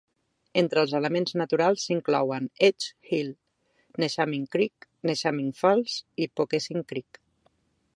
Entre els elements naturals s"inclouen Edge Hill, Neshaminy Creek, Neshaminy Falls i Poquessing Creek.